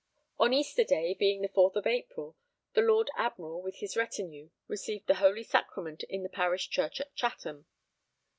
On Easter day, being the 4th of April, the Lord Admiral with his retinue received the holy sacrament in the parish church at Chatham.